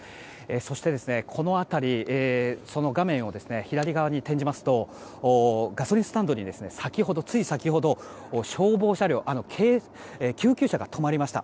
そしてこの辺り画面左側に転じますとガソリンスタンドについ先ほど消防車両救急車が止まりました。